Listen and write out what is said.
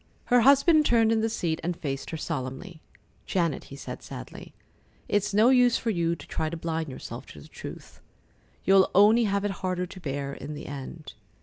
Her husband turned in the seat and faced her solemnly. "Janet," he said sadly, "it's no use for you to try to blind yourself to the truth. You'll only have it harder to bear in the end.